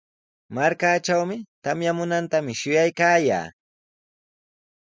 Markaatrawmi tamyamuntami shuyaykaayaa.